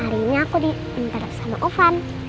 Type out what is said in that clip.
hari ini aku diminta sama ovan